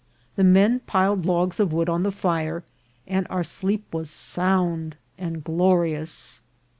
The men piled logs of wood on the fire, and our sleep was sound and glo* rious.